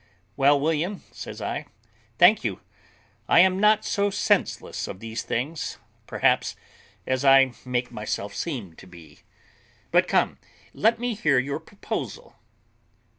"Well, William," says I, "I thank you; and I am not so senseless of these things, perhaps, as I make myself seem to be. But come, let me hear your proposal."